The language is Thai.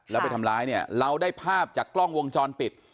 แล้วไปทำร้ายเนี่ยเราได้ภาพจากกล้องวงจรปิด